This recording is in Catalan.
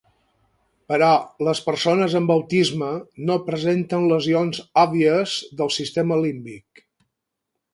Però les persones amb autisme no presenten lesions òbvies del sistema límbic.